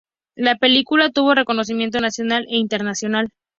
La película tuvo reconocimiento nacional e internacional.